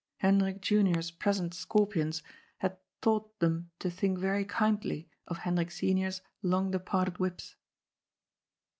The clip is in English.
Hendrik Junior's present scorpions had taught them to think very kindly of Hendrik Senior's long departed whips.